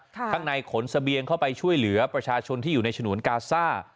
ข้างในขนเสบียงเข้าไปช่วยเหลือประชาชนที่อยู่ในฉนวนกาซ่า